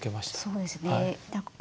そうですね。